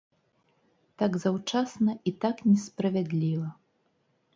Так заўчасна і так несправядліва.